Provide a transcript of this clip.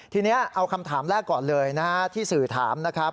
ทีนี้เอาคำถามแรกก่อนเลยนะฮะที่สื่อถามนะครับ